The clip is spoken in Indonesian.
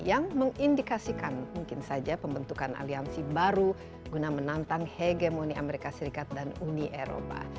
yang mengindikasikan mungkin saja pembentukan aliansi baru guna menantang hegemoni amerika serikat dan uni eropa